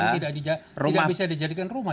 tidak bisa dijadikan rumah